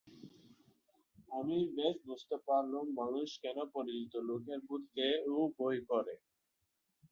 আমি বেশ বুঝতে পারলুম মানুষ কেন পরিচিত লোকের ভূতকেও ভয় করে।